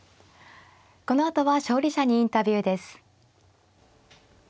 このあとは勝利者にインタビューです。